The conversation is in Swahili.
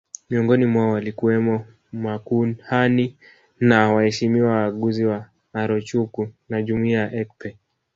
Miongoni mwao walikuwemo makuhani na waheshimiwa waaguzi wa Arochukwu na jumuiya ya Ekpe